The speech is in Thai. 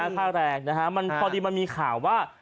ค่าแรงนะฮะมันพอดีมันมีข่าวว่า